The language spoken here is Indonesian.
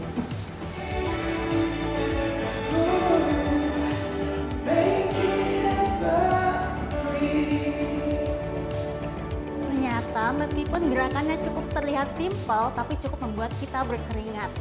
ternyata meskipun gerakannya cukup terlihat simpel tapi cukup membuat kita berkeringat